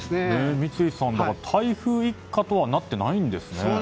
三井さん、台風一過とはなっていないんですね。